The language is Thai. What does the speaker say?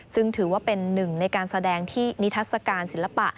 ซึ่งถือว่าเป็นหนึ่งในการแสดงที่นิทัศกาลศิลปะ